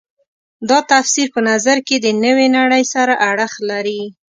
دا تفسیر په نظر کې د نوې نړۍ سره اړخ لري.